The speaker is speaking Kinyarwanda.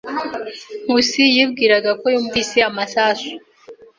Nkusi yibwiraga ko yumvise amasasu.